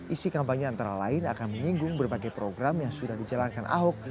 isi kampanye antara lain akan menyinggung berbagai program yang sudah dijalankan ahok